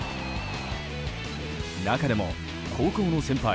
中でも高校の先輩